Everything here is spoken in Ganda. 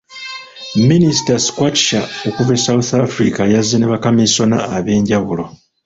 Minisita Skwatsha okuva e South Africa yazze ne bakamiisona ab'enjawulo.